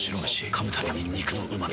噛むたびに肉のうま味。